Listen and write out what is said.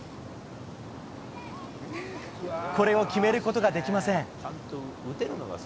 これを決めることができません。